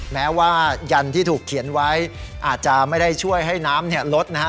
แม้ว่ายันที่ถูกเขียนไว้อาจจะไม่ได้ช่วยให้น้ำเนี่ยลดนะฮะ